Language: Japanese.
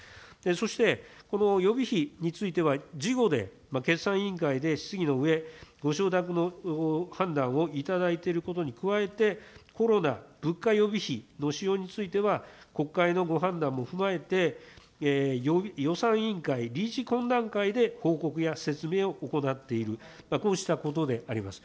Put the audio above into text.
そして、この予備費については事後で、決算委員会で質疑のうえ、ご承諾の判断をいただいていることに加えて、コロナ、物価予備費の使用については国会のご判断も踏まえて、予算委員会理事懇談会で報告や説明を行っている、こうしたことであります。